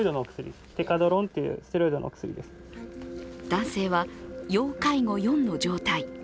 男性は要介護４の状態。